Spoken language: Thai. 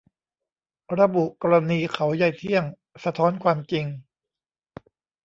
ระบุกรณีเขายายเที่ยง สะท้อนความจริง